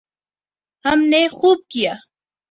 ہم نے خوب کیا۔